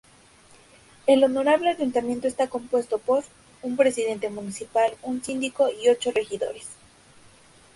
El Honorable Ayuntamiento está compuesto por: un Presidente Municipal, un Síndico y ocho Regidores.